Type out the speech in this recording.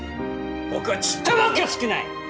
僕はちっともおかしくない！